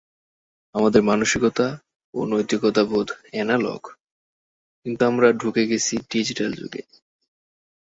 আমাদের মানসিকতা ও নৈতিকতাবোধ অ্যানালগ, কিন্তু আমরা ঢুকে গেছি ডিজিটাল যুগে।